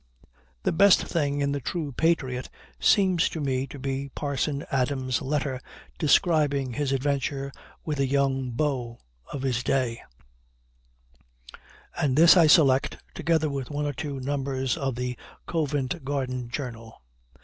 The best thing in the True Patriot seems to me to be Parson Adams' letter describing his adventure with a young "bowe" of his day; and this I select, together with one or two numbers of the Covent Garden Journal.